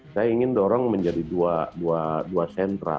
saya ingin dorong menjadi dua sentra